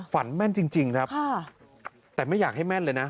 แม่นจริงครับแต่ไม่อยากให้แม่นเลยนะ